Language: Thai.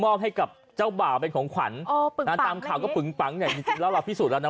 มอบให้กับเจ้าบ่าวเป็นของขวัญโอ้นำตามข่าวก็เนี่ยดีจึงแล้วเราพิสูจน์แล้วนะ